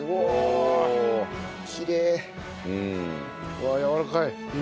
うわあやわらかい。